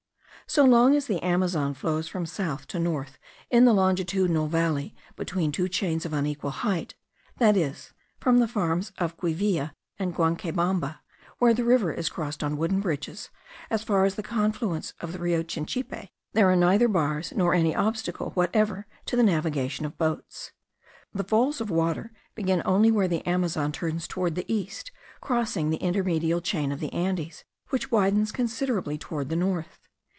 So long as the Amazon flows from south to north in the longitudinal valley, between two chains of unequal height (that is, from the farms of Quivilla and Guancaybamba, where the river is crossed on wooden bridges, as far as the confluence of the Rio Chinchipe), there are neither bars, nor any obstacle whatever to the navigation of boats. The falls of water begin only where the Amazon turns toward the east, crossing the intermedial chain of the Andes, which widens considerably toward the north.